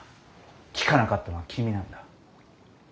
聞かなかったのは君なんだ。